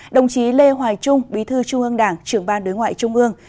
đồng chí lê hoài trung bí thư trung ương đảng trưởng ban đối ngoại trung ương